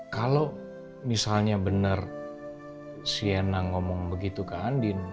kalau misalnya benar sienna ngomong begitu ke andin